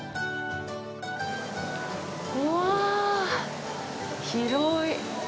うわぁ、広い！